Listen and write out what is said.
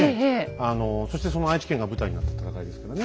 あのそしてその愛知県が舞台になった戦いですからね。